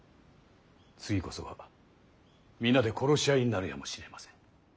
次こそは皆で殺し合いになるやもしれませぬ。